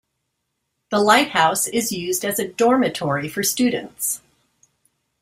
The lighthouse is used as a dormitory for students.